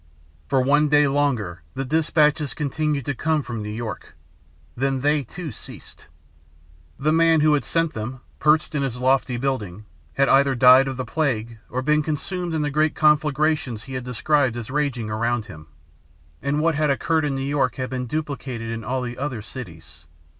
"For one day longer the despatches continued to come from New York. Then they, too, ceased. The man who had sent them, perched in his lofty building, had either died of the plague or been consumed in the great conflagrations he had described as raging around him. And what had occurred in New York had been duplicated in all the other cities.